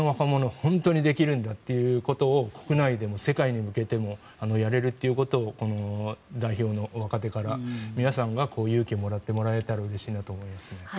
本当にできるんだっていうことを国内でも世界に向けてもやれるということをこの代表の若手から皆さんが勇気をもらってもらえたらうれしいなと思いますね。